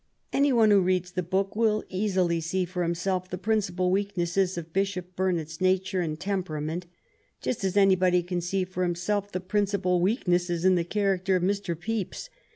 Any one who reads the book will easily see for himself the principal weaknesses of Bishop Burnet's nature and temperament, just as anybody can see for himself the principal weaknesses in the character of Mr. Pepys.